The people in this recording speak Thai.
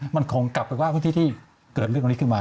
มันคงกลับไปว่าพื้นที่ที่เกิดเรื่องตรงนี้ขึ้นมา